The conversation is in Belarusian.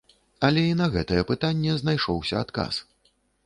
Але і на гэтае пытанне знайшоўся адказ.